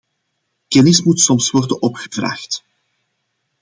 Kennis moet soms worden opgevraagd.